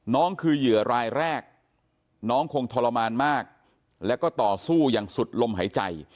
คือเหยื่อรายแรกน้องคงทรมานมากแล้วก็ต่อสู้อย่างสุดลมหายใจ